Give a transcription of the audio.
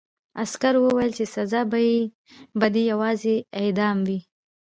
عسکر وویل چې سزا به دې یوازې اعدام وي